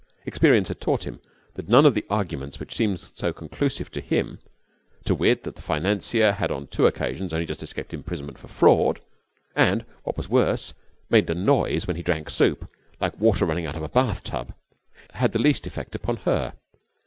Experience had taught him that none of the arguments which seemed so conclusive to him to wit, that the financier had on two occasions only just escaped imprisonment for fraud, and, what was worse, made a noise when he drank soup, like water running out of a bathtub had the least effect upon her.